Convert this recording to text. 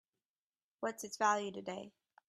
What's its value today?